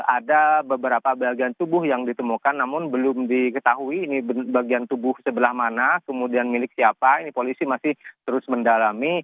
ada beberapa bagian tubuh yang ditemukan namun belum diketahui ini bagian tubuh sebelah mana kemudian milik siapa ini polisi masih terus mendalami